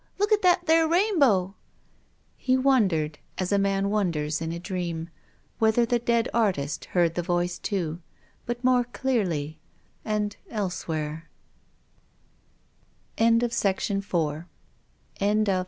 Look at that there rainbow !" He wondered, as a man wonders in a dream, whether the dead artist heard the voice too, but more clearly — and elsewhere.